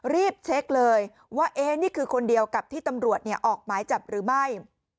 รีบเช็คเลยว่านี่คือคนเดียวกับที่ตำรวจออกหมายจับหรือไม่